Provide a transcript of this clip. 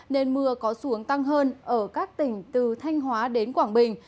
nên mưa có xu hướng tăng hơn ở các tỉnh từ thanh hóa đến quảng bình